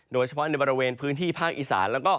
โดยเฉพาะในบริเวณพื้นที่ภาคอิสาน